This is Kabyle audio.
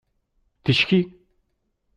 D tikci?